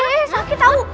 eh sakit tau